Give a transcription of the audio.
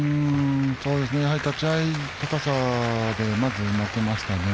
立ち合い、高さで負けましたね。